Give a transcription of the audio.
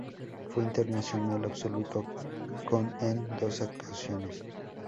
Fue internacional absoluto con en dos ocasiones.